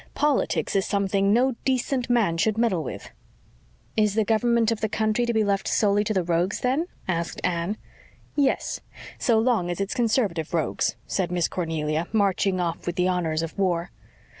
Politics is something no decent man should meddle with." "Is the government of the country to be left solely to the rogues then?" asked Anne. "Yes so long as it's Conservative rogues," said Miss Cornelia, marching off with the honors of war.